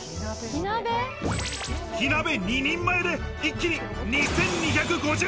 火鍋２人前で一気に２２５０ｋｃａｌ。